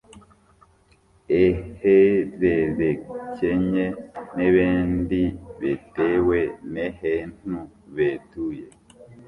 ehererekenye n’ebendi bitewe n’ehentu betuye,